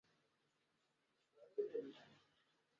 三捷青石寨的历史年代为清。